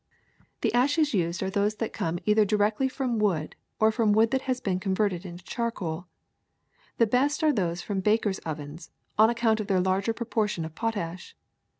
The ashes used are those that come either di ASHES— POTASH 97 rectly from wood or from wood that has been con verted into charcoal. The best are those from bak ers' ovens, on account of their larger proportion of potash.